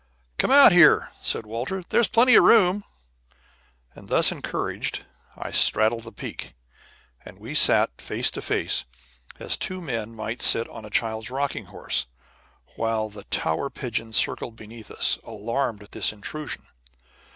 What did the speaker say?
"Come out here," said Walter, "there's plenty of room," and, thus encouraged, I straddled the peak, and we sat face to face, as two men might sit on a child's rocking horse, while the tower pigeons circled beneath us, alarmed at this intrusion.